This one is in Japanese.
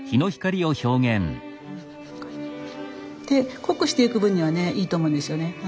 で濃くしていく分にはねいいと思うんですよね。